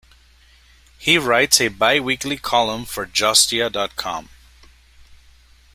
He writes a biweekly column for justia dot com.